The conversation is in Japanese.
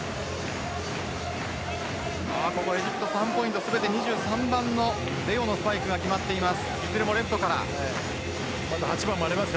エジプト、３ポイント全部２３番のデヨのサーブが決まっています。